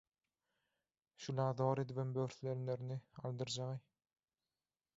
– Şu-la zor edibem böwürslenlerini aldyrjag-aý.